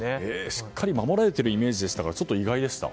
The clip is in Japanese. しっかり守られているイメージでしたから意外でした。